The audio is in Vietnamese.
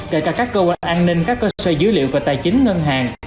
kể cả các cơ quan an ninh các cơ sở dữ liệu về tài chính ngân hàng